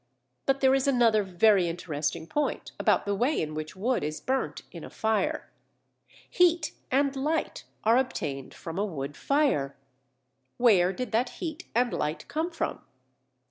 But there is another very interesting point about the way in which wood is burnt in a fire; heat and light are obtained from a wood fire. Where did that heat and light come from?